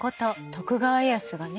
徳川家康がね